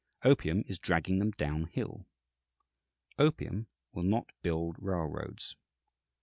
Opium is dragging them down hill. Opium will not build railroads.